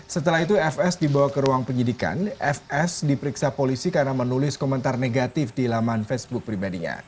setelah itu fs dibawa ke ruang penyidikan fs diperiksa polisi karena menulis komentar negatif di laman facebook pribadinya